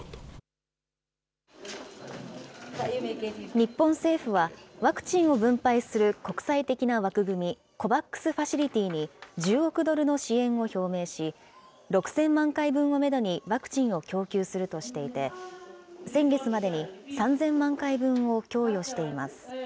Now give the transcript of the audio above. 日本政府は、ワクチンを分配する国際的な枠組み、ＣＯＶＡＸファシリティに１０億ドルの支援を表明し、６０００万回分をメドにワクチンを供給するとしていて、先月までに、３０００万回分を供与しています。